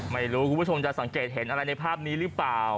ไม่รู้คุณผู้ชมจะสังเกตเห็นอะไรในภาพนี้หรือเปล่า